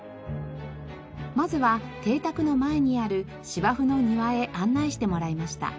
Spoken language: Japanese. まずは邸宅の前にある芝生の庭へ案内してもらいました。